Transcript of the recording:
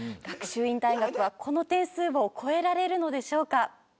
学習院大学はこの点数を超えられるのでしょうか？